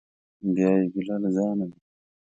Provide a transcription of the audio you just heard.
بیا یې ګیله له ځانه ده.